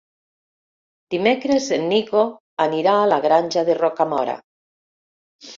Dimecres en Nico anirà a la Granja de Rocamora.